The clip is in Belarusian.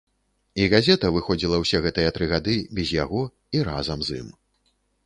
І газета выходзіла ўсе гэтыя тры гады, без яго і разам з ім.